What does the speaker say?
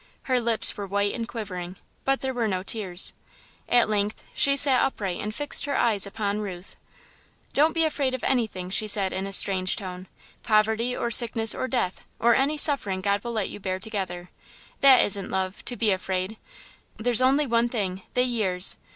Her lips were white and quivering, but there were no tears. At length she sat upright and fixed her eyes upon Ruth. "Don't be afraid of anything," she said in a strange tone, "poverty or sickness or death, or any suffering God will let you bear together. That isn't love to be afraid. There's only one thing the years!